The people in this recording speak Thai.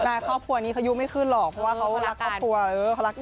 แต่ครอบครัวนี้อยู่ไม่ขึ้นหรอกเพราะ์วเขารักครอบครัวเขารักกัน